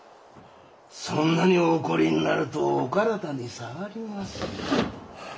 そんなにお怒りになるとお体に障ります。